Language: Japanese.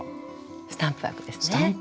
スタンプワークですね。